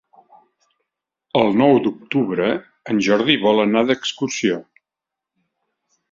El nou d'octubre en Jordi vol anar d'excursió.